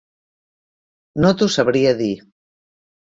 No t'ho sabria dir.